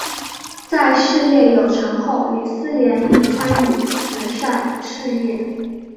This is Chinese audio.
在事业有成后李思廉亦参与慈善事业。